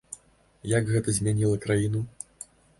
Як гэта змяніла краіну?